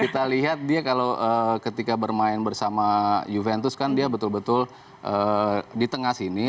kita lihat dia kalau ketika bermain bersama juventus kan dia betul betul di tengah sini